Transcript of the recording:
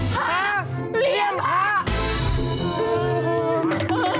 ภาคเลี่ยมพระ